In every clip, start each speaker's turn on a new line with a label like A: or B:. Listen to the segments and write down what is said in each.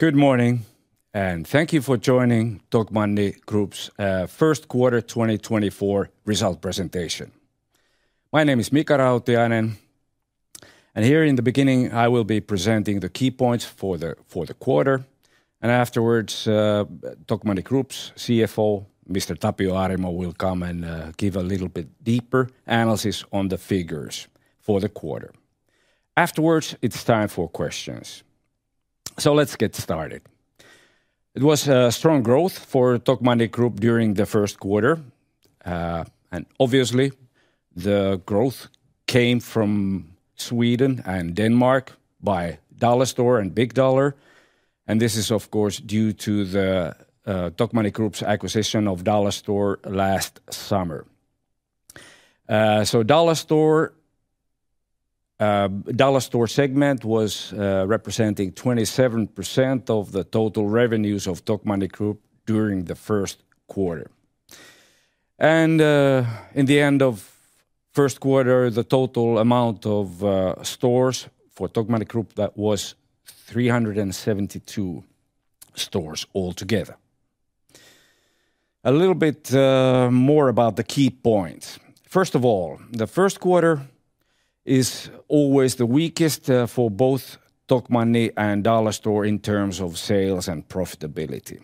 A: Good morning, and thank you for joining Tokmanni Group's first quarter 2024 result presentation. My name is Mika Rautiainen, and here in the beginning, I will be presenting the key points for the quarter. Afterwards, Tokmanni Group's CFO, Mr. Tapio Arimo, will come and give a little bit deeper analysis on the figures for the quarter. Afterwards, it's time for questions. Let's get started. It was a strong growth for Tokmanni Group during the first quarter. Obviously, the growth came from Sweden and Denmark by Dollarstore and Big Dollar, and this is, of course, due to the Tokmanni Group's acquisition of Dollarstore last summer. Dollarstore segment was representing 27% of the total revenues of Tokmanni Group during the first quarter. In the end of the first quarter, the total amount of stores for Tokmanni Group was 372 stores altogether. A little bit more about the key points. First of all, the first quarter is always the weakest for both Tokmanni and Dollarstore in terms of sales and profitability.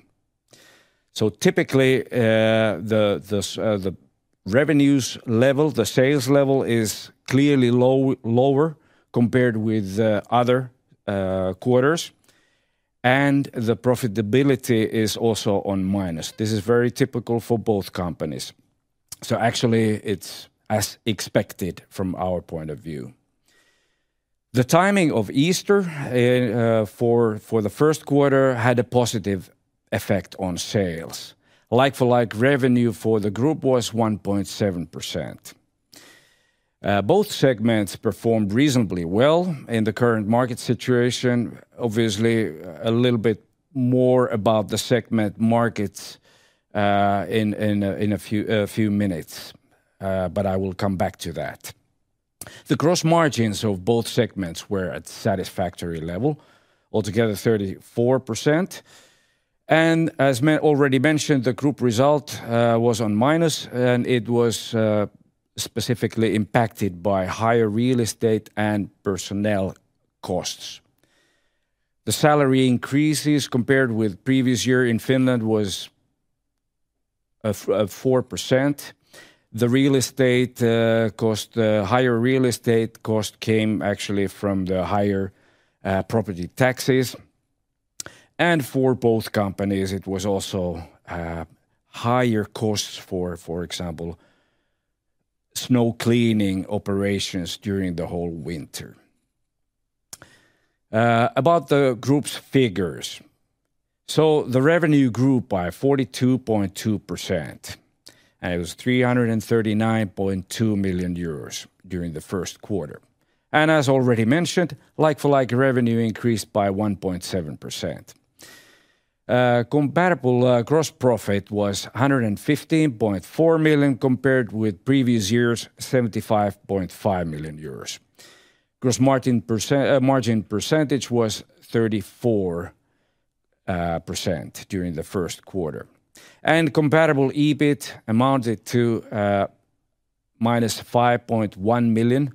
A: So typically, the revenue level, the sales level is clearly lower compared with other quarters, and the profitability is also on minus. This is very typical for both companies. So actually, it's as expected from our point of view. The timing of Easter for the first quarter had a positive effect on sales. Like-for-like revenue for the group was 1.7%. Both segments performed reasonably well in the current market situation. Obviously, a little bit more about the segment markets in a few minutes, but I will come back to that. The gross margins of both segments were at satisfactory level, altogether 34%. And as I already mentioned, the group result was on minus, and it was specifically impacted by higher real estate and personnel costs. The salary increases compared with previous year in Finland was 4%. The real estate cost, the higher real estate cost came actually from the higher property taxes, and for both companies, it was also higher costs for, for example, snow cleaning operations during the whole winter. About the group's figures. The revenue grew by 42.2%, and it was 339.2 million euros during the first quarter. As already mentioned, like-for-like revenue increased by 1.7%. Comparable gross profit was 115.4 million, compared with previous year's 75.5 million euros. Gross margin percentage was 34% during the first quarter. comparable EBIT amounted to -5.1 million,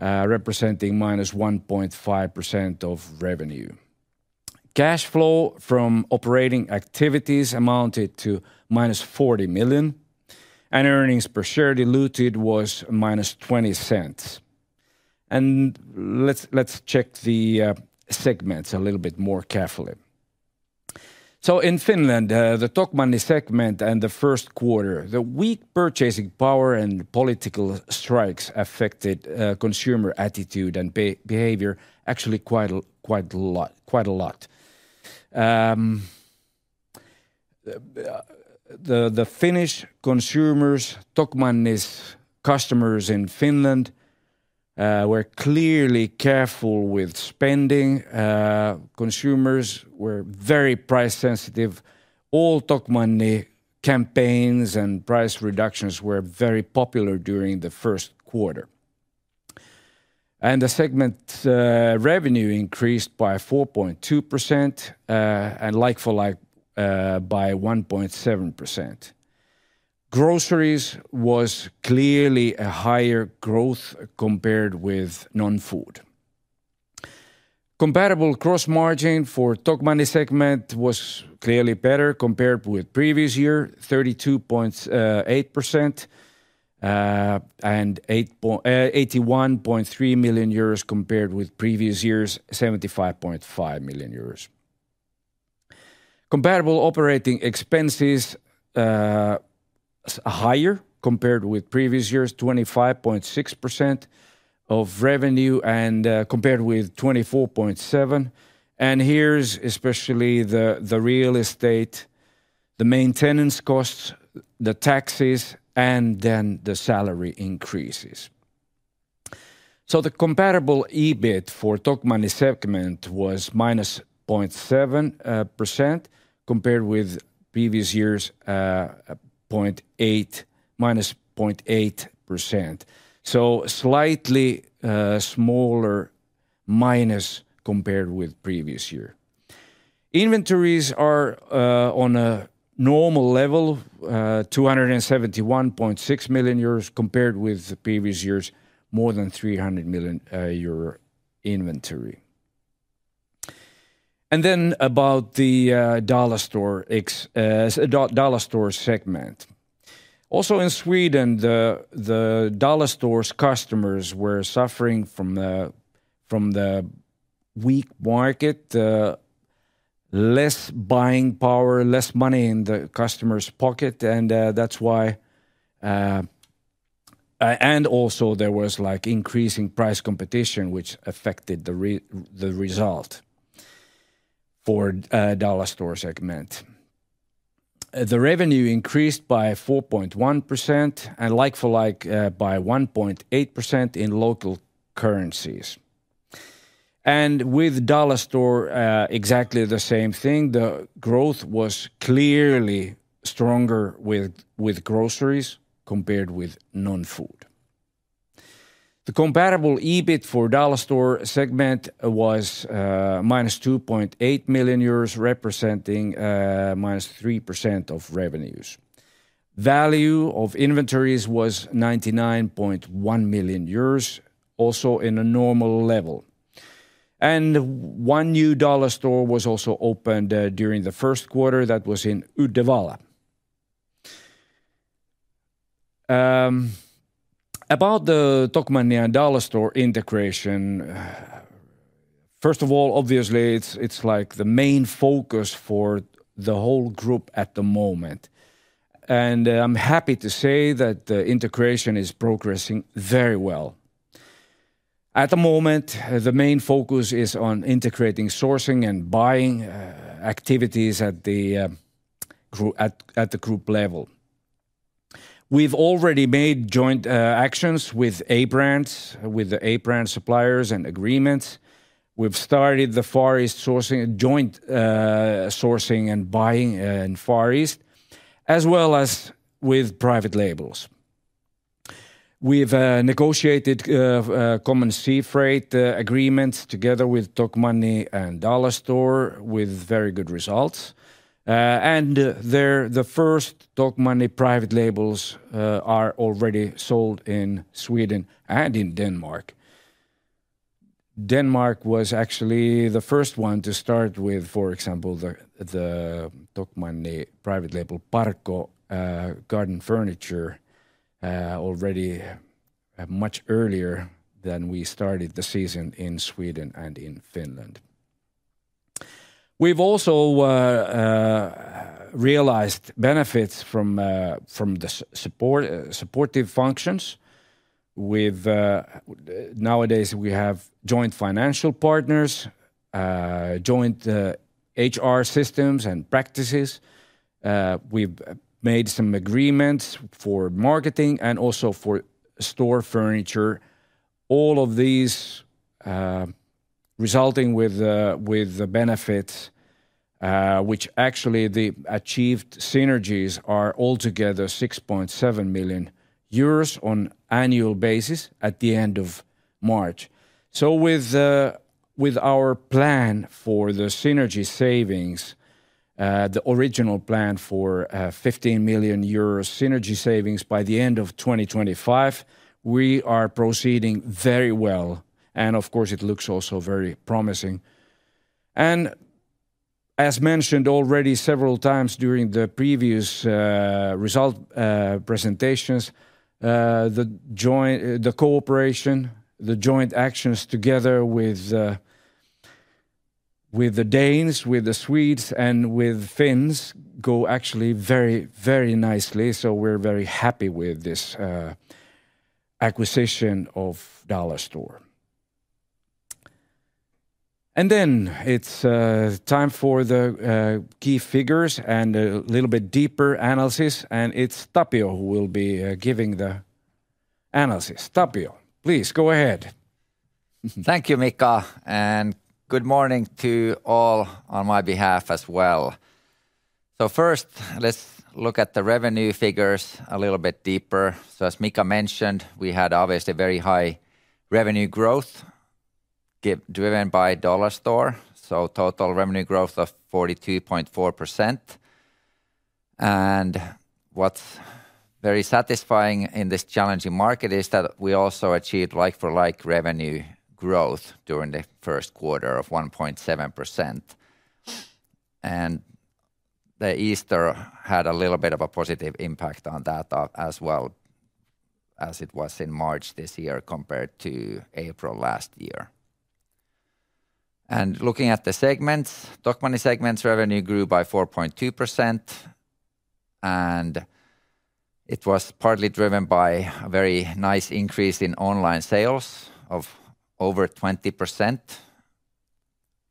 A: representing -1.5% of revenue. Cash flow from operating activities amounted to -40 million, and earnings per share diluted was -0.20. Let's check the segments a little bit more carefully. In Finland, the Tokmanni segment in the first quarter, the weak purchasing power and political strikes affected consumer attitude and behavior actually quite a lot, quite a lot. The Finnish consumers, Tokmanni's customers in Finland, were clearly careful with spending. Consumers were very price sensitive. All Tokmanni campaigns and price reductions were very popular during the first quarter. The segment revenue increased by 4.2%, and like-for-like by 1.7%. Groceries was clearly a higher growth compared with non-food. Comparable gross margin for Tokmanni segment was clearly better compared with previous year, 32.8%, and 81.3 million euros compared with previous year's 75.5 million euros. Comparable operating expenses higher compared with previous years, 25.6% of revenue, and compared with 24.7%. Here's especially the real estate, the maintenance costs, the taxes, and then the salary increases. The comparable EBIT for Tokmanni segment was -0.7%, compared with previous year's -0.8%. So slightly smaller minus compared with previous year. Inventories are on a normal level, 271.6 million euros compared with the previous year's more than 300 million euro inventory. And then about the Dollarstore segment. Also in Sweden, the Dollarstore's customers were suffering from the weak market, less buying power, less money in the customer's pocket, and that's why and also there was, like, increasing price competition, which affected the result for Dollarstore segment. The revenue increased by 4.1% and like-for-like by 1.8% in local currencies. And with Dollarstore exactly the same thing, the growth was clearly stronger with groceries compared with non-food. The comparable EBIT for Dollarstore segment was minus 2.8 million euros, representing minus 3% of revenues. Value of inventories was 99.1 million euros, also in a normal level. One new Dollarstore was also opened during the first quarter, that was in Uddevalla. About the Tokmanni and Dollarstore integration, first of all, obviously, it's like the main focus for the whole group at the moment, and I'm happy to say that the integration is progressing very well. At the moment, the main focus is on integrating sourcing and buying activities at the group level. We've already made joint actions with A-brands, with the A-brand suppliers and agreements. We've started the Far East sourcing, joint sourcing and buying in Far East, as well as with private labels. We've negotiated common sea freight agreements together with Tokmanni and Dollarstore with very good results. The first Tokmanni private labels are already sold in Sweden and in Denmark. Denmark was actually the first one to start with, for example, the Tokmanni private label, Parco, garden furniture, already much earlier than we started the season in Sweden and in Finland. We've also realized benefits from the supportive functions. We nowadays have joint financial partners, joint HR systems and practices. We've made some agreements for marketing and also for store furniture. All of these resulting with the benefits, which actually the achieved synergies are altogether 6.7 million euros on annual basis at the end of March. With our plan for the synergy savings, the original plan for 15 million euros synergy savings by the end of 2025, we are proceeding very well, and of course, it looks also very promising. As mentioned already several times during the previous result presentations, the joint- the cooperation, the joint actions together with the Danes, with the Swedes, and with Finns go actually very, very nicely, so we're very happy with this acquisition of Dollarstore. Then it's time for the key figures and a little bit deeper analysis, and it's Tapio who will be giving the analysis. Tapio, please go ahead.
B: Thank you, Mika, and good morning to all on my behalf as well. First, let's look at the revenue figures a little bit deeper. As Mika mentioned, we had obviously a very high revenue growth, given driven by Dollarstore, so total revenue growth of 42.4%. And what's very satisfying in this challenging market is that we also achieved like-for-like revenue growth during the first quarter of 1.7%. And the Easter had a little bit of a positive impact on that, as well as it was in March this year compared to April last year. And looking at the segments, Tokmanni segment's revenue grew by 4.2%, and it was partly driven by a very nice increase in online sales of over 20%.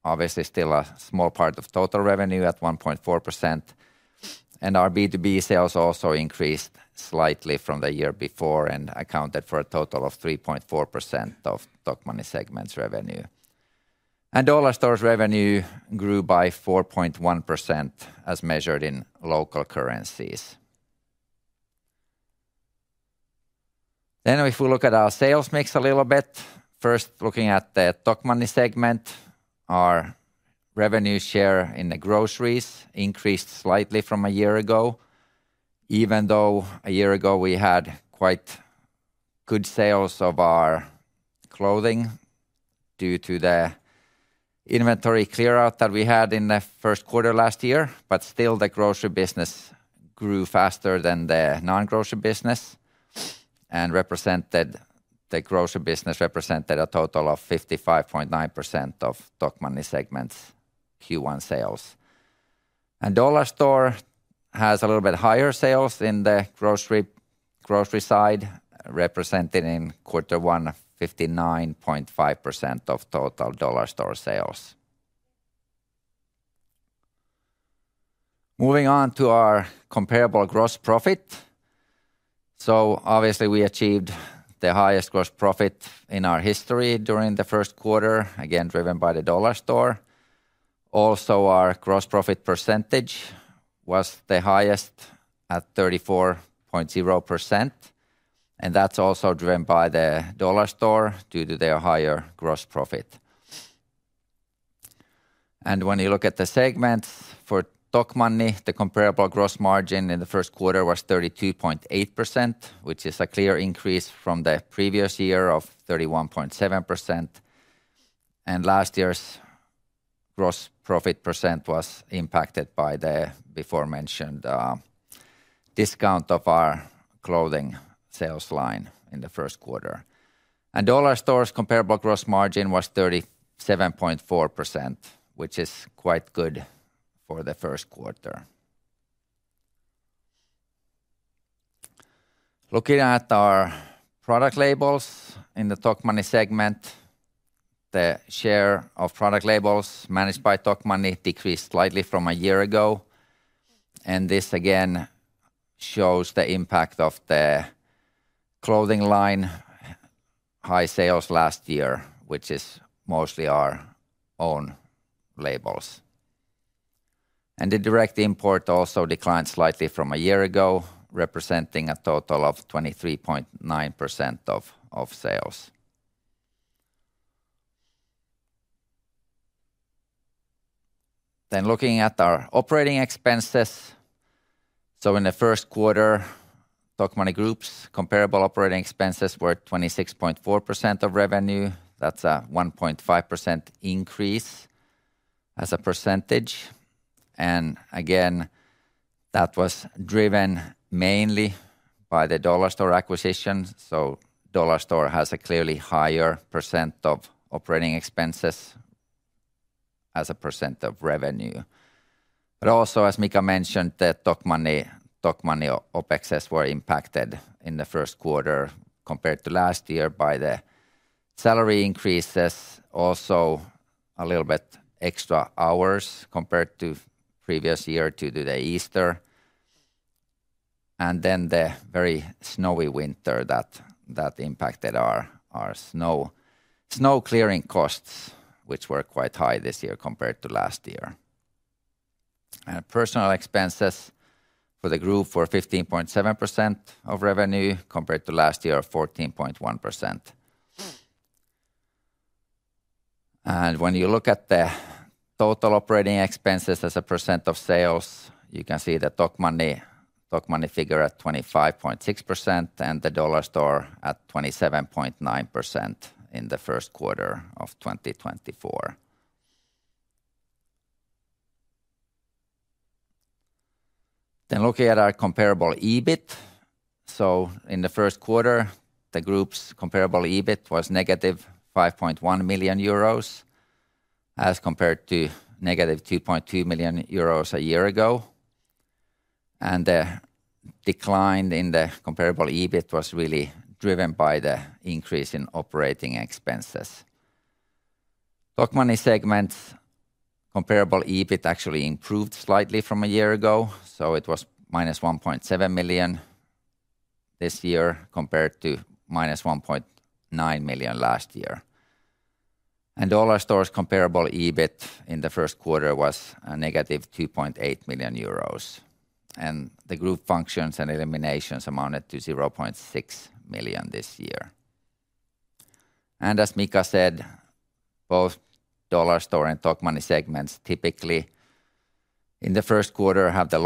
B: Obviously, still a small part of total revenue at 1.4%, and our B2B sales also increased slightly from the year before and accounted for a total of 3.4% of Tokmanni segment's revenue. Dollarstore's revenue grew by 4.1% as measured in local currencies. If we look at our sales mix a little bit, first looking at the Tokmanni segment, our revenue share in the groceries increased slightly from a year ago, even though a year ago we had quite good sales of our clothing due to the inventory clear-out that we had in the first quarter last year. But still, the grocery business grew faster than the non-grocery business, and the grocery business represented a total of 55.9% of Tokmanni segment's Q1 sales. Dollarstore has a little bit higher sales in the grocery, grocery side, represented in quarter one, 59.5% of total Dollarstore sales. Moving on to our comparable gross profit. So obviously, we achieved the highest gross profit in our history during the first quarter, again, driven by the Dollarstore. Also, our gross profit percentage was the highest at 34.0%, and that's also driven by the Dollarstore due to their higher gross profit. When you look at the segment for Tokmanni, the comparable gross margin in the first quarter was 32.8%, which is a clear increase from the previous year of 31.7%. Last year's gross profit percent was impacted by the beforementioned discount of our clothing sales line in the first quarter. Dollarstore's comparable gross margin was 37.4%, which is quite good for the first quarter. Looking at our private labels in the Tokmanni segment, the share of private labels managed by Tokmanni decreased slightly from a year ago, and this again shows the impact of the clothing line high sales last year, which is mostly our own labels. The direct import also declined slightly from a year ago, representing a total of 23.9% of sales. Looking at our operating expenses. So in the first quarter, Tokmanni Group's comparable operating expenses were 26.4% of revenue. That's a 1.5% increase as a percentage, and again, that was driven mainly by the Dollarstore acquisition. Dollarstore has a clearly higher percent of operating expenses as a percent of revenue. But also, as Mika mentioned, the Tokmanni OpEx was impacted in the first quarter compared to last year by the salary increases, also a little bit extra hours compared to previous year, due to the Easter, and then the very snowy winter that impacted our snow clearing costs, which were quite high this year compared to last year. Personal expenses for the group were 15.7% of revenue, compared to last year of 14.1%. And when you look at the total operating expenses as a percent of sales, you can see the Tokmanni figure at 25.6% and the Dollarstore at 27.9% in the first quarter of 2024. Then looking at our comparable EBIT. So in the first quarter, the group's comparable EBIT was -5.1 million euros, as compared to -2.2 million euros a year ago. And the decline in the comparable EBIT was really driven by the increase in operating expenses. Tokmanni segment's comparable EBIT actually improved slightly from a year ago, so it was -1.7 million this year, compared to -1.9 million last year. And Dollarstore's comparable EBIT in the first quarter was -2.8 million euros, and the group functions and eliminations amounted to -0.6 million this year. And as Mika said, both Dollarstore and Tokmanni segments typically in the first quarter have the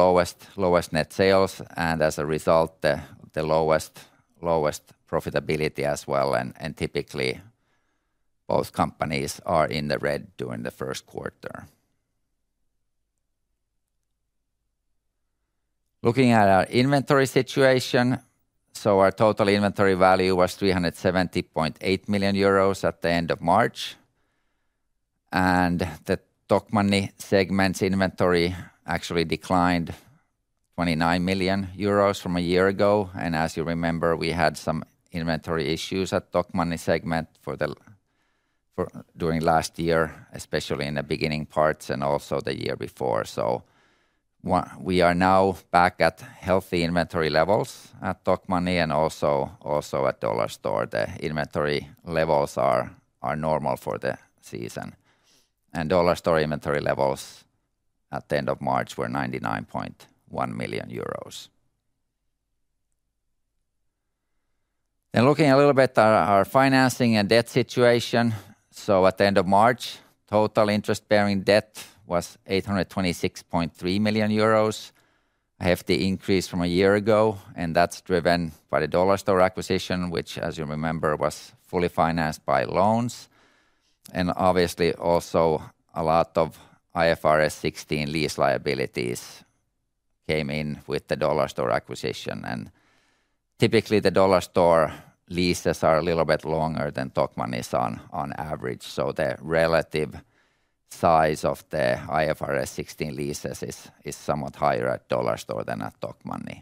B: lowest net sales, and as a result, the lowest profitability as well, and typically both companies are in the red during the first quarter. Looking at our inventory situation, so our total inventory value was 370.8 million euros at the end of March, and the Tokmanni segment's inventory actually declined 29 million euros from a year ago. As you remember, we had some inventory issues at Tokmanni segment for during last year, especially in the beginning parts and also the year before. We are now back at healthy inventory levels at Tokmanni and also at Dollarstore. The inventory levels are normal for the season. Dollarstore inventory levels at the end of March were 99.1 million euros. Looking a little bit at our financing and debt situation, so at the end of March, total interest-bearing debt was 826.3 million euros, a hefty increase from a year ago, and that's driven by the Dollarstore acquisition, which, as you remember, was fully financed by loans. And obviously, also, a lot of IFRS 16 lease liabilities came in with the Dollarstore acquisition. And typically, the Dollarstore leases are a little bit longer than Tokmanni's on average, so the relative size of the IFRS 16 leases is somewhat higher at Dollarstore than at Tokmanni.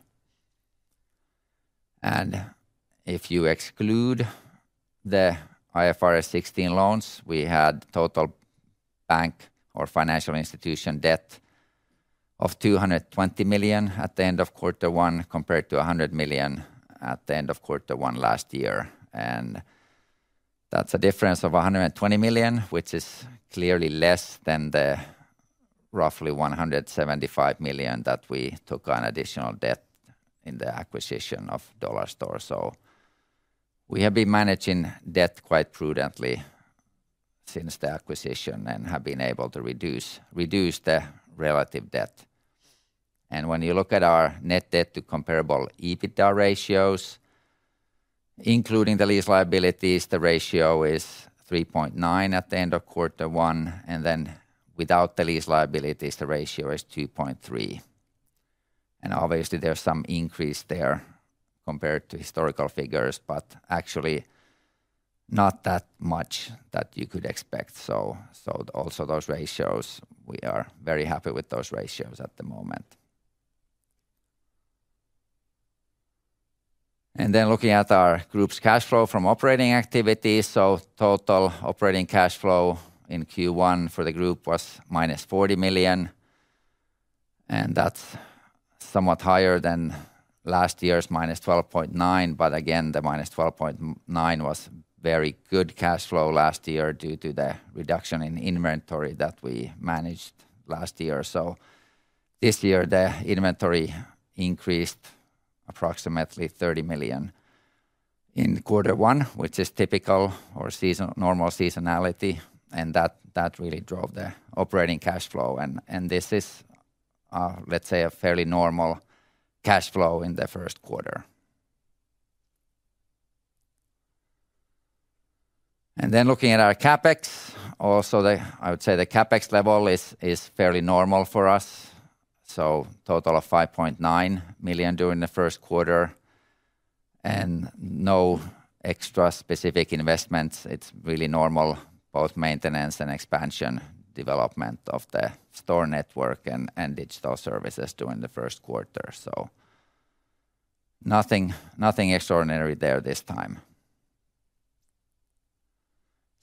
B: And if you exclude the IFRS 16 loans, we had total bank or financial institution debt of 220 million at the end of quarter one, compared to 100 million at the end of quarter one last year. And that's a difference of 120 million, which is clearly less than the roughly 175 million that we took on additional debt in the acquisition of Dollarstore. So we have been managing debt quite prudently since the acquisition and have been able to reduce, reduce the relative debt. And when you look at our net debt to comparable EBITDA ratios, including the lease liabilities, the ratio is 3.9 at the end of quarter one, and then without the lease liabilities, the ratio is 2.3. And obviously, there's some increase there compared to historical figures, but actually not that much that you could expect. So, so also those ratios, we are very happy with those ratios at the moment. Looking at our group's cash flow from operating activities, total operating cash flow in Q1 for the group was minus 40 million, and that's somewhat higher than last year's minus 12.9 million. Again, the minus 12.9 million was very good cash flow last year due to the reduction in inventory that we managed last year. This year, the inventory increased approximately 30 million in quarter one, which is typical or normal seasonality, and that really drove the operating cash flow. This is, let's say, a fairly normal cash flow in the first quarter. Looking at our CapEx, I would say the CapEx level is fairly normal for us, so total of 5.9 million during the first quarter, and no extra specific investments. It's really normal, both maintenance and expansion, development of the store network and digital services during the first quarter, so nothing, nothing extraordinary there this time.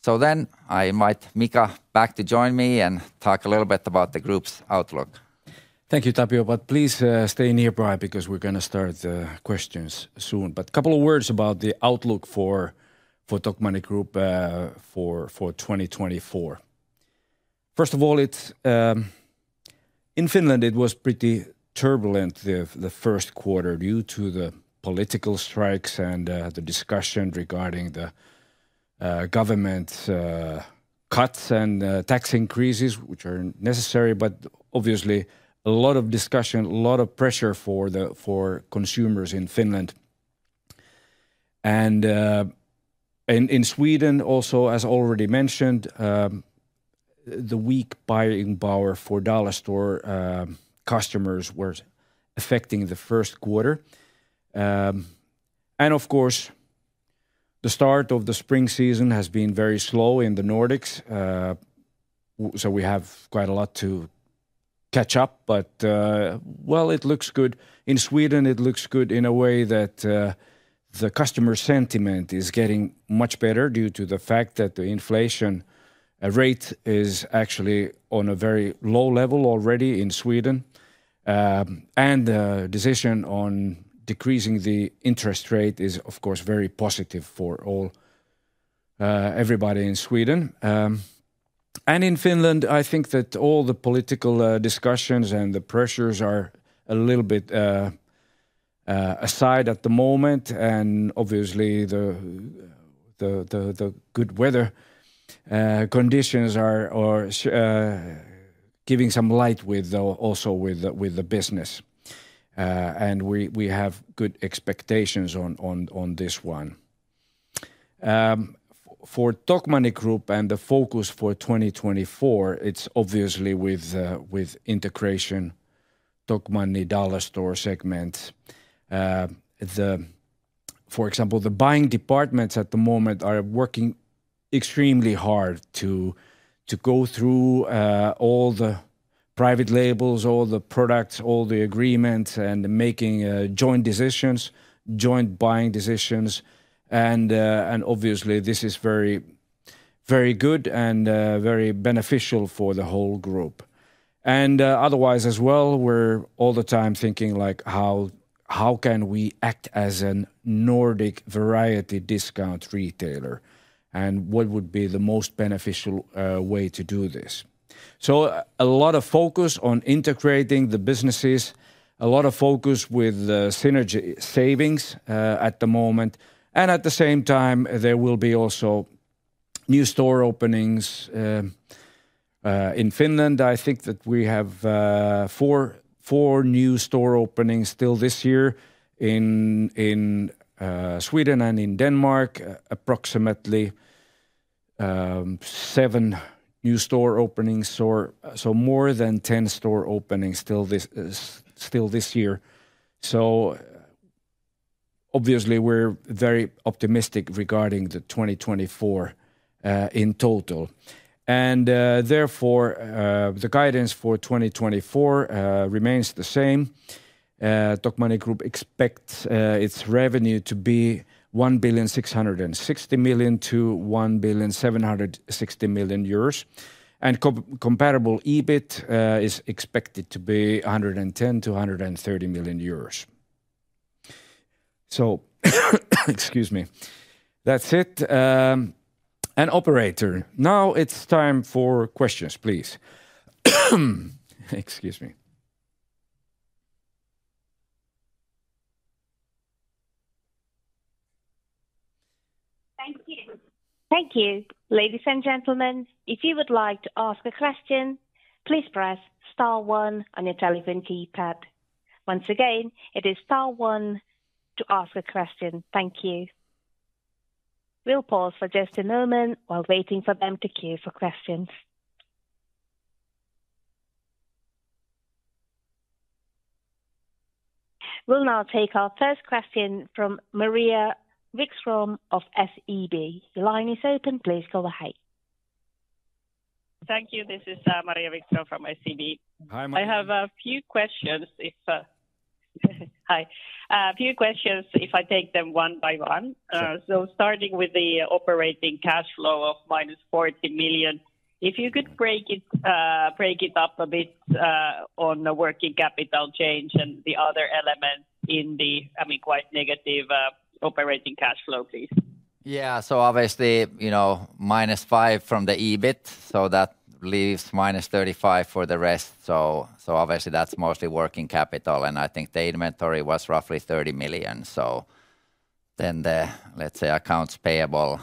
B: So then I invite Mika back to join me and talk a little bit about the group's outlook.
A: Thank you, Tapio, but please, stay nearby because we're gonna start the questions soon. But couple of words about the outlook for Tokmanni Group for 2024. First of all, it's in Finland, it was pretty turbulent the first quarter due to the political strikes and the discussion regarding the government cuts and tax increases, which are necessary, but obviously a lot of discussion, a lot of pressure for the- for consumers in Finland. And in Sweden also, as already mentioned, the weak buying power for Dollarstore customers was affecting the first quarter. And of course, the start of the spring season has been very slow in the Nordics. So we have quite a lot to catch up, but well, it looks good. In Sweden, it looks good in a way that the customer sentiment is getting much better due to the fact that the inflation rate is actually on a very low level already in Sweden. And the decision on decreasing the interest rate is, of course, very positive for all everybody in Sweden. And in Finland, I think that all the political discussions and the pressures are a little bit aside at the moment, and obviously the good weather conditions are giving some light with the business also. And we have good expectations on this one. For Tokmanni Group and the focus for 2024, it's obviously with integration Tokmanni Dollarstore segment. The... For example, the buying departments at the moment are working extremely hard to go through all the private labels, all the products, all the agreements, and making joint decisions, joint buying decisions, and obviously, this is very, very good and very beneficial for the whole group. Otherwise, as well, we're all the time thinking, like, how can we act as a Nordic variety discount retailer, and what would be the most beneficial way to do this? So a lot of focus on integrating the businesses, a lot of focus with synergy savings at the moment. At the same time, there will be also new store openings in Finland. I think that we have 4 new store openings still this year. In Sweden and in Denmark, approximately seven new store openings, or so more than 10 store openings still this year. So obviously, we're very optimistic regarding the 2024 in total. And therefore, the guidance for 2024 remains the same. Tokmanni Group expects its revenue to be 1.66 billion-1.76 billion. And comparable EBIT is expected to be 110 million-130 million euros. So, excuse me. That's it, and operator, now it's time for questions, please. Excuse me.
C: Thank you. Thank you. Ladies and gentlemen, if you would like to ask a question, please press star one on your telephone keypad. Once again, it is star one to ask a question. Thank you. We'll pause for just a moment while waiting for them to queue for questions. We'll now take our first question from Maria Wikström of SEB. The line is open, please go ahead.
D: Thank you. This is Maria Wikström from SEB.
A: Hi, Maria.
D: I have a few questions. Hi! A few questions, if I take them one by one.
A: Sure.
D: Starting with the operating cash flow of -40 million, if you could break it up a bit on the working capital change and the other elements in the, I mean, quite negative operating cash flow, please.
B: Yeah. So obviously, you know, -5 from the EBIT, so that leaves -35 for the rest. So, so obviously, that's mostly working capital, and I think the inventory was roughly 30 million. So then the, let's say, accounts payable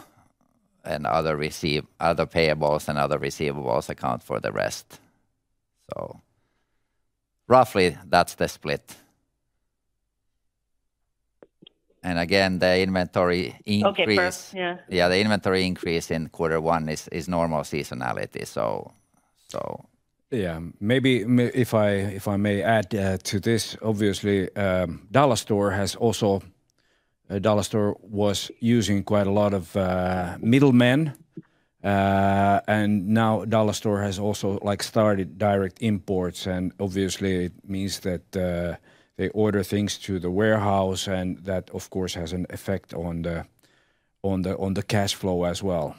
B: and other receive- other payables and other receivables account for the rest. So roughly, that's the split. And again, the inventory increase-
D: Okay, perfect. Yeah.
B: Yeah, the inventory increase in quarter one is normal seasonality, so.
A: Yeah, maybe if I may add to this, obviously, Dollarstore has also... Dollarstore was using quite a lot of middlemen. And now Dollarstore has also, like, started direct imports, and obviously it means that they order things to the warehouse, and that, of course, has an effect on the cash flow as well.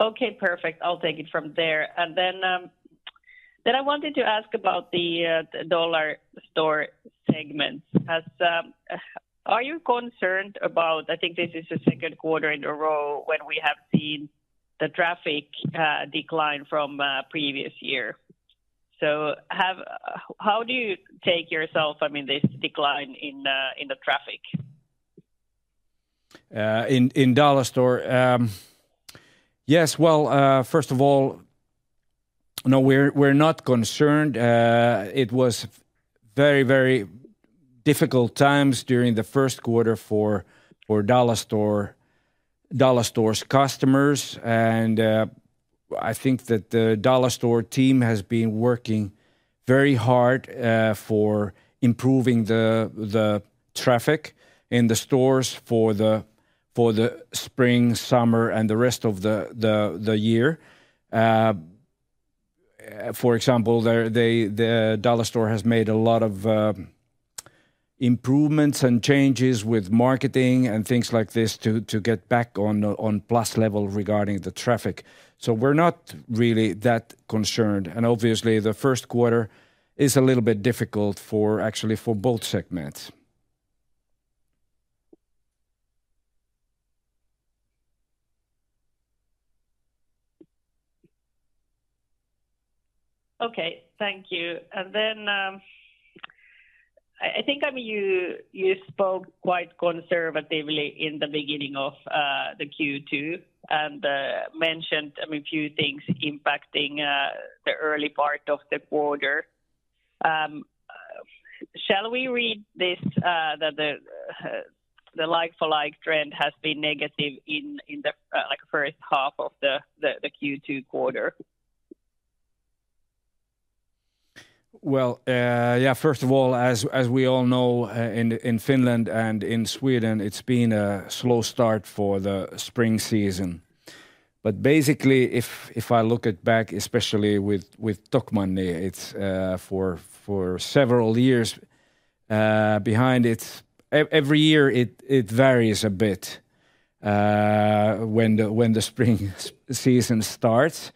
D: Okay, perfect. I'll take it from there. And then I wanted to ask about the Dollarstore segment. Are you concerned about-- I think this is the second quarter in a row when we have seen the traffic decline from previous year. So how do you take yourself, I mean, this decline in the traffic?
A: In Dollarstore? Yes, well, first of all, no, we're not concerned. It was very, very difficult times during the first quarter for Dollarstore, Dollarstore's customers. And I think that the Dollarstore team has been working very hard for improving the traffic in the stores for the spring, summer, and the rest of the year. For example, the Dollarstore has made a lot of improvements and changes with marketing and things like this to get back on the plus level regarding the traffic. So we're not really that concerned, and obviously, the first quarter is a little bit difficult, actually, for both segments.
D: Okay, thank you. And then, I think, I mean, you spoke quite conservatively in the beginning of the Q2, and mentioned, I mean, a few things impacting the early part of the quarter. Shall we read this that the like-for-like trend has been negative in the like first half of the Q2 quarter?
A: Well, yeah, first of all, as we all know, in Finland and in Sweden, it's been a slow start for the spring season. But basically, if I look back, especially with Tokmanni, it's for several years behind it. Every year, it varies a bit, when the spring season starts.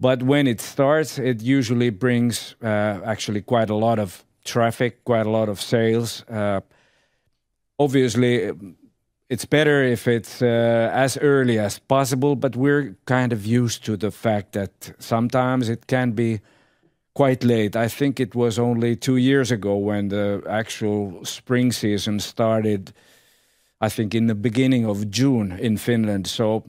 A: But when it starts, it usually brings actually quite a lot of traffic, quite a lot of sales. Obviously, it's better if it's as early as possible, but we're kind of used to the fact that sometimes it can be quite late. I think it was only two years ago when the actual spring season started, I think, in the beginning of June in Finland. So,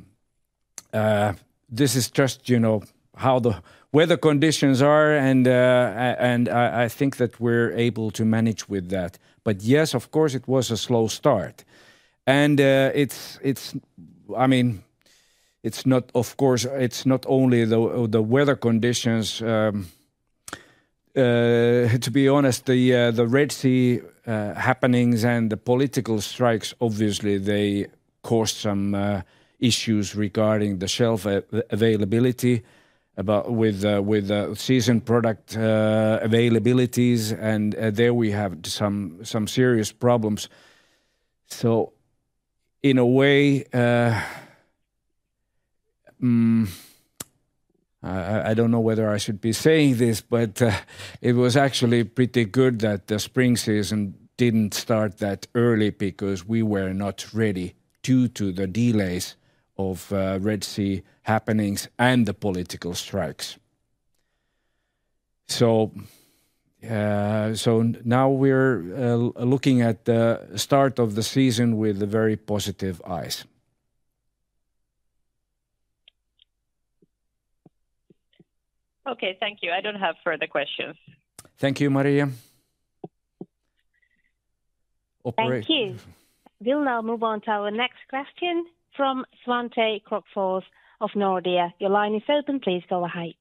A: this is just, you know, how the weather conditions are, and I think that we're able to manage with that. But yes, of course, it was a slow start. And, it's, it's... I mean, it's not of course, it's not only the weather conditions, to be honest, the Red Sea happenings and the political strikes, obviously, they caused some issues regarding the shelf availability with season product availabilities, and there we have some serious problems. So in a way, I don't know whether I should be saying this, but it was actually pretty good that the spring season didn't start that early because we were not ready due to the delays of Red Sea happenings and the political strikes. Now we're looking at the start of the season with a very positive eyes.
D: Okay, thank you. I don't have further questions.
A: Thank you, Maria. Opera-
C: Thank you. We'll now move on to our next question from Svante Krokfors of Nordea. Your line is open. Please go ahead.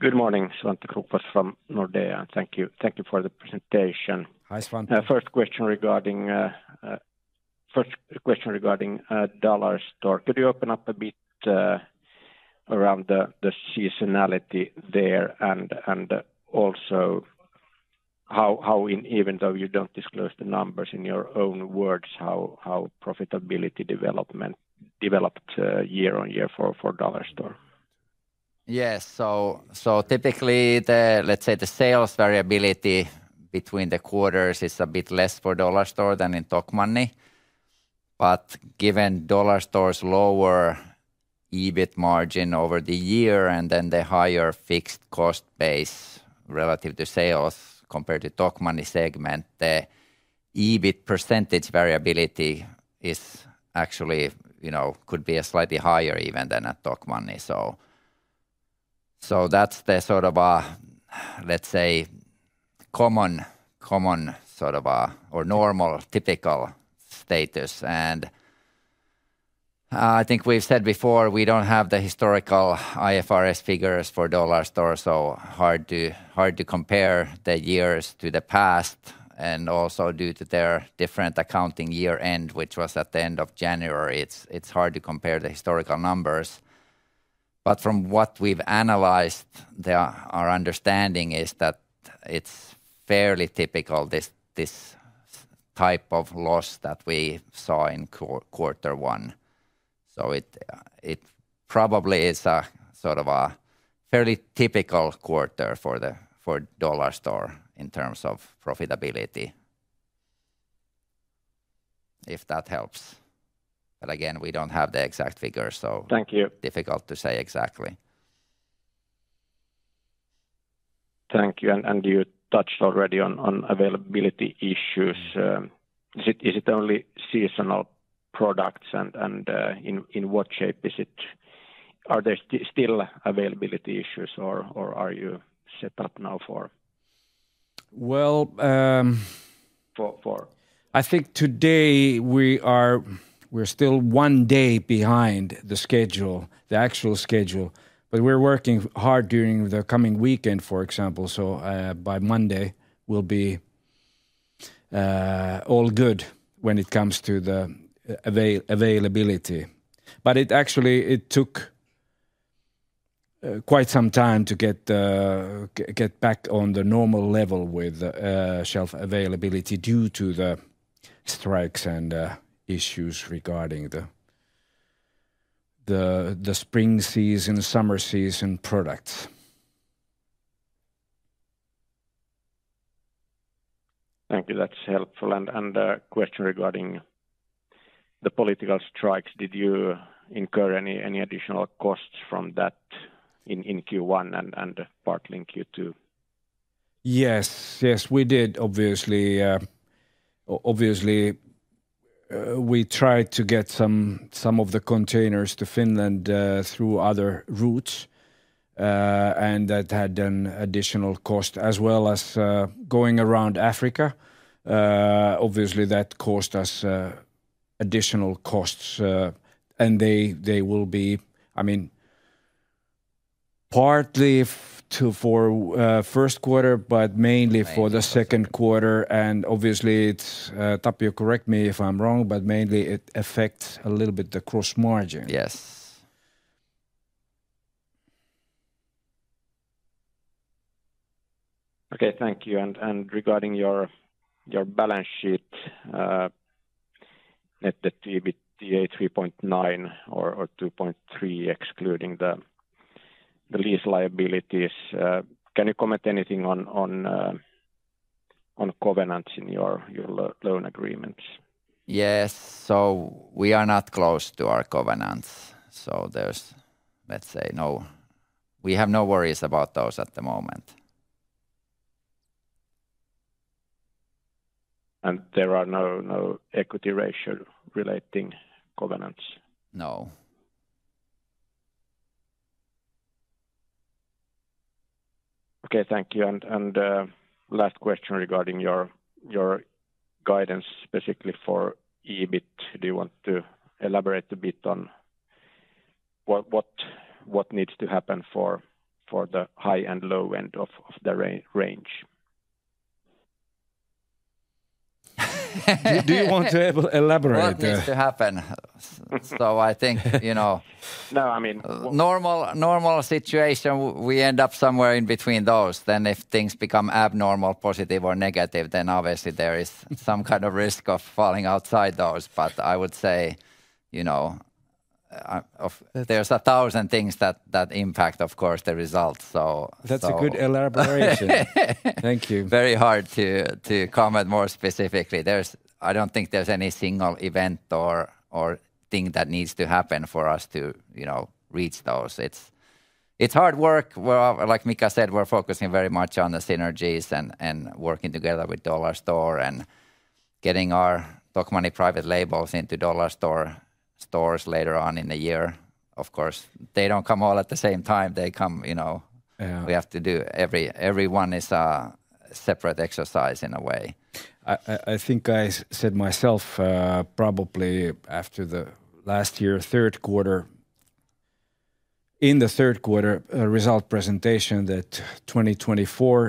E: Good morning, Svante Krokfors from Nordea. Thank you. Thank you for the presentation.
A: Hi, Svante.
E: First question regarding Dollarstore. Could you open up a bit around the seasonality there, and also how even though you don't disclose the numbers, in your own words, how profitability development developed year on year for Dollarstore?
B: Yes, so typically, let's say the sales variability between the quarters is a bit less for Dollarstore than in Tokmanni. But given Dollarstore's lower EBIT margin over the year, and then the higher fixed cost base relative to sales compared to Tokmanni segment, the EBIT percentage variability is actually, you know, could be a slightly higher even than at Tokmanni. So that's the sort of, let's say, common sort of, or normal, typical status. And I think we've said before, we don't have the historical IFRS figures for Dollarstore, so hard to compare the years to the past. And also due to their different accounting year-end, which was at the end of January, it's hard to compare the historical numbers. But from what we've analyzed, our understanding is that it's fairly typical, this type of loss that we saw in quarter one. So it probably is a sort of a fairly typical quarter for the Dollarstore in terms of profitability, if that helps. But again, we don't have the exact figures, so-
E: Thank you...
B: difficult to say exactly.
E: Thank you. And you touched already on availability issues. Is it only seasonal products? And in what shape is it? Are there still availability issues, or are you set up now for-
A: Well,
E: For, for-
A: I think today we're still one day behind the schedule, the actual schedule, but we're working hard during the coming weekend, for example. So, by Monday, we'll be all good when it comes to the availability. But it actually took quite some time to get back on the normal level with shelf availability due to the strikes and issues regarding the spring season, summer season products.
E: Thank you. That's helpful. And question regarding the political strikes, did you incur any additional costs from that in Q1 and part in Q2?
A: Yes. Yes, we did, obviously. Obviously, we tried to get some of the containers to Finland through other routes, and that had an additional cost as well as going around Africa. Obviously, that cost us additional costs, and they will be, I mean, partly for first quarter, but mainly for the second quarter.
B: Mainly.
A: Obviously, it's Tapio, correct me if I'm wrong, but mainly it affects a little bit the gross margin.
B: Yes....
E: Okay, thank you. And regarding your balance sheet, net EBITDA 3.9 or 2.3 excluding the lease liabilities, can you comment anything on covenants in your loan agreements?
B: Yes. So we are not close to our covenants, so there's, let's say, no... We have no worries about those at the moment.
E: There are no, no equity ratio relating covenants?
B: No.
E: Okay, thank you. Last question regarding your guidance, specifically for EBIT. Do you want to elaborate a bit on what needs to happen for the high and low end of the range?
A: Do you want to elaborate there?
B: What needs to happen? So I think, you know-
E: No, I mean-
B: Normal, normal situation, we end up somewhere in between those. Then if things become abnormal, positive or negative, then obviously there is some kind of risk of falling outside those. But I would say, you know, of... There's 1,000 things that impact, of course, the results, so, so-
A: That's a good elaboration. Thank you.
B: Very hard to comment more specifically. There's... I don't think there's any single event or thing that needs to happen for us to, you know, reach those. It's hard work. Well, like Mika said, we're focusing very much on the synergies and working together with Dollarstore and getting our Tokmanni private labels into Dollarstore stores later on in the year. Of course, they don't come all at the same time, they come, you know-
A: Yeah.
B: We have to do every one is a separate exercise in a way.
A: I think I said myself, probably after the last year, third quarter, in the third quarter result presentation, that 2024,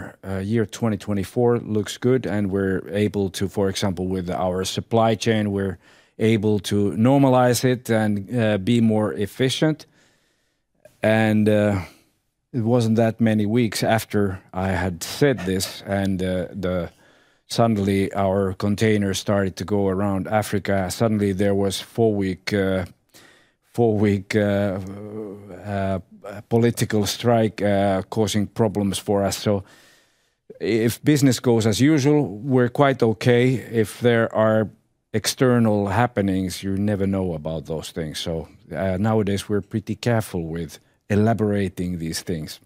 A: year 2024 looks good, and we're able to... For example, with our supply chain, we're able to normalize it and be more efficient. And it wasn't that many weeks after I had said this, and suddenly our containers started to go around Africa. Suddenly there was four-week political strike causing problems for us. So if business goes as usual, we're quite okay. If there are external happenings, you never know about those things. So nowadays we're pretty careful with elaborating these things.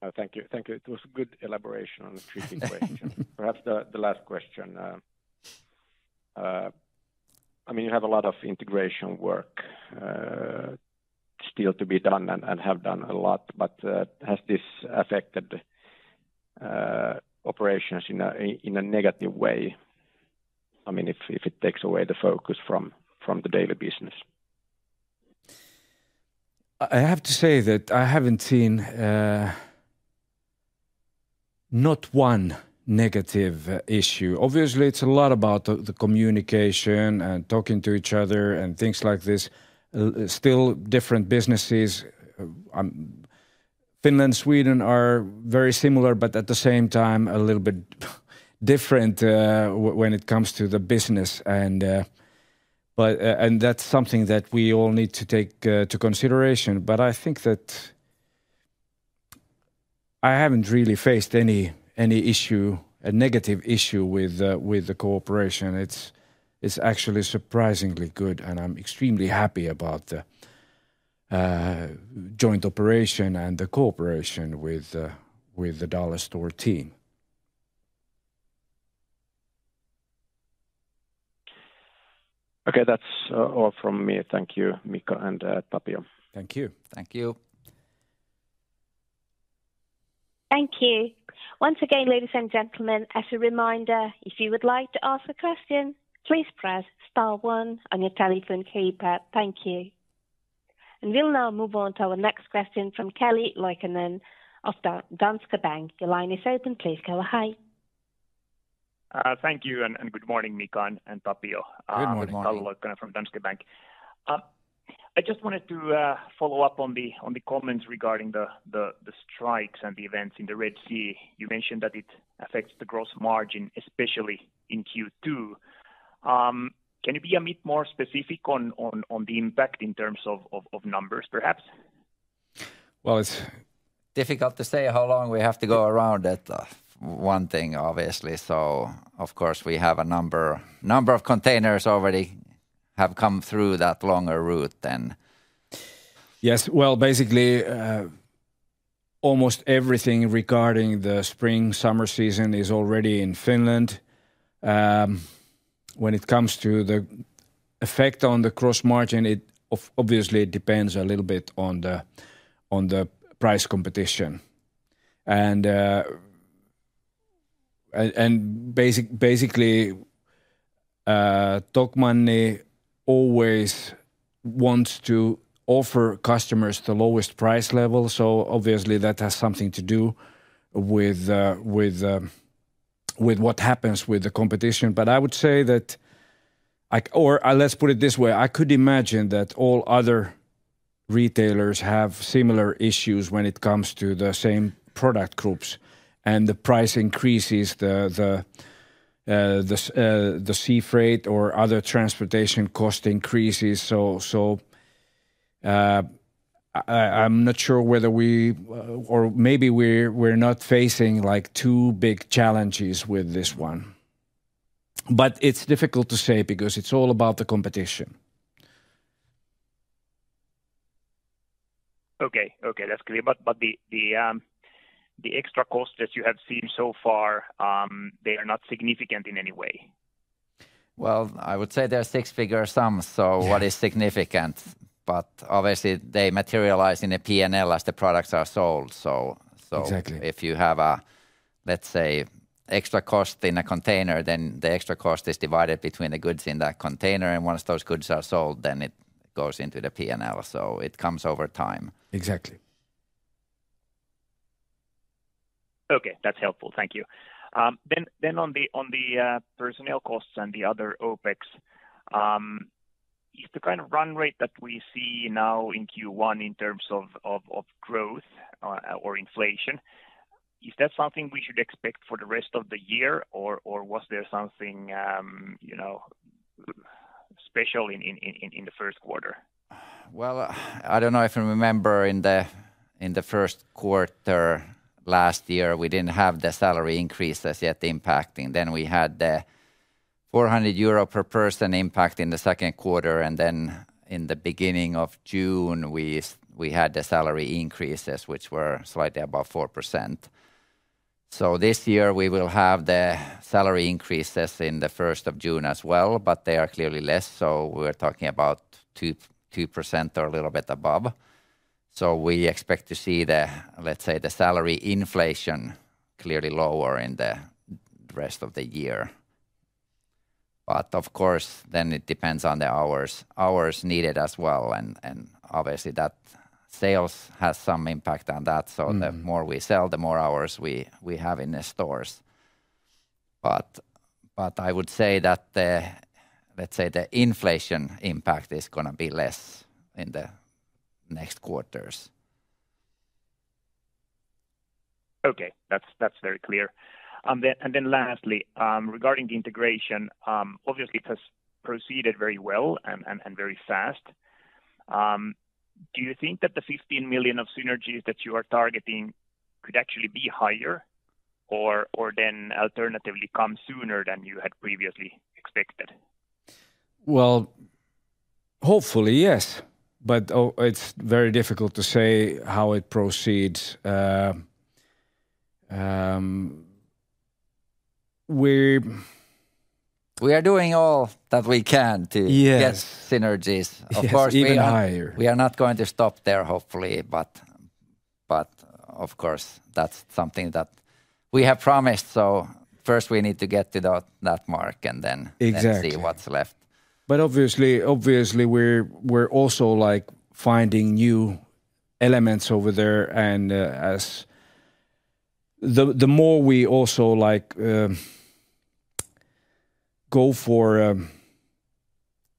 E: Oh, thank you. Thank you. It was a good elaboration on the tricky question. Perhaps the last question, I mean, you have a lot of integration work still to be done and have done a lot, but has this affected operations in a negative way? I mean, if it takes away the focus from the daily business.
A: I have to say that I haven't seen not one negative issue. Obviously, it's a lot about the communication and talking to each other and things like this. Still different businesses. Finland, Sweden are very similar, but at the same time, a little bit different when it comes to the business. But that's something that we all need to take into consideration. But I think that I haven't really faced any issue, a negative issue with the cooperation. It's actually surprisingly good, and I'm extremely happy about the joint operation and the cooperation with the Dollarstore team.
E: Okay. That's all from me. Thank you, Mika and Tapio.
A: Thank you.
B: Thank you.
C: Thank you. Once again, ladies and gentlemen, as a reminder, if you would like to ask a question, please press star one on your telephone keypad. Thank you. And we'll now move on to our next question from Kalle Loikkanen of Danske Bank. The line is open, please, Kalle. Hi.
F: Thank you, and good morning, Mika and Tapio.
A: Good morning.
F: Kalle Loikkanen from Danske Bank. I just wanted to follow up on the comments regarding the strikes and the events in the Red Sea. You mentioned that it affects the gross margin, especially in Q2. Can you be a bit more specific on the impact in terms of numbers, perhaps?
B: Well, it's difficult to say how long we have to go around that, one thing, obviously. So of course, we have a number of containers already have come through that longer route then.
A: Yes. Well, basically, almost everything regarding the spring, summer season is already in Finland. When it comes to the effect on the gross margin, obviously, it depends a little bit on the price competition. Basically, Tokmanni always wants to offer customers the lowest price level, so obviously that has something to do with what happens with the competition. But I would say that or, let's put it this way, I could imagine that all other retailers have similar issues when it comes to the same product groups and the price increases, the sea freight or other transportation cost increases. So, I'm not sure whether we. Or maybe we're not facing, like, two big challenges with this one. It's difficult to say because it's all about the competition.
F: Okay. Okay, that's clear. But the extra costs that you have seen so far, they are not significant in any way?
B: Well, I would say they're six-figure sums, so-
F: Yeah...
B: what is significant? But obviously, they materialize in the P&L as the products are sold, so,
A: Exactly...
B: if you have a, let's say, extra cost in a container, then the extra cost is divided between the goods in that container, and once those goods are sold, then it goes into the P&L, so it comes over time.
A: Exactly.
F: Okay, that's helpful. Thank you. Then on the personnel costs and the other OpEx, is the kind of run rate that we see now in Q1 in terms of growth or inflation, is that something we should expect for the rest of the year, or was there something, you know, special in the first quarter?
B: Well, I don't know if you remember in the, in the first quarter last year, we didn't have the salary increases yet impacting. Then we had the 400 euro per person impact in the second quarter, and then in the beginning of June, we had the salary increases, which were slightly above 4%. So this year we will have the salary increases in the 1st of June as well, but they are clearly less, so we're talking about 2% or a little bit above. So we expect to see the, let's say, the salary inflation clearly lower in the rest of the year. But of course, then it depends on the hours, hours needed as well, and, and obviously, that sales has some impact on that. So the more we sell, the more hours we have in the stores. But I would say that, let's say, the inflation impact is gonna be less in the next quarters.
F: Okay, that's very clear. Then, and then lastly, regarding the integration, obviously it has proceeded very well and very fast. Do you think that the 15 million of synergies that you are targeting could actually be higher or then alternatively come sooner than you had previously expected?
A: Well, hopefully, yes, but oh, it's very difficult to say how it proceeds. We-
B: We are doing all that we can to-
A: Yes...
B: get synergies. Of course, we are-
A: Yes, even higher....
B: we are not going to stop there, hopefully, but of course, that's something that we have promised. So first we need to get to that mark, and then-
A: Exactly...
B: then see what's left.
A: But obviously, obviously we're, we're also, like, finding new elements over there, and, as the, the more we also, like, go for,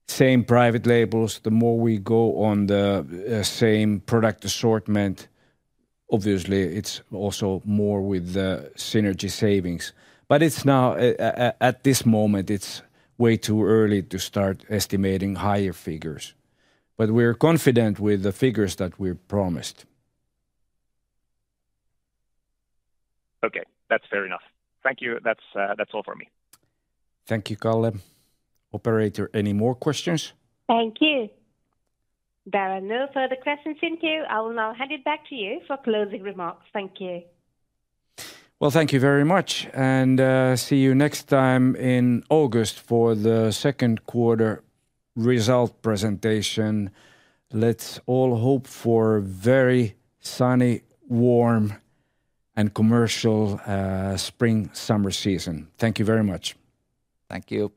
A: same private labels, the more we go on the, same product assortment, obviously it's also more with the synergy savings. But it's now, at this moment, it's way too early to start estimating higher figures, but we're confident with the figures that we've promised.
F: Okay, that's fair enough. Thank you. That's, that's all for me.
A: Thank you, Kalle. Operator, any more questions?
C: Thank you. There are no further questions in queue. I will now hand it back to you for closing remarks. Thank you.
A: Well, thank you very much, and see you next time in August for the second quarter result presentation. Let's all hope for a very sunny, warm, and commercial spring, summer season. Thank you very much.
B: Thank you.